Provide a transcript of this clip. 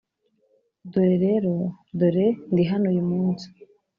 dore rero, dore ndi hano uyu munsi